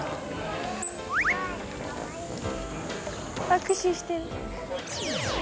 握手してる。